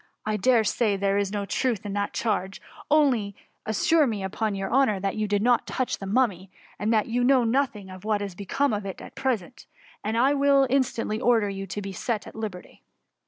I dare say there is no truth at all in the charge :— only assure me upon your honour that you did not touch the mummy, and that you know no* thing of what is become of it at present, and I will instantly order you to be set at liberty.''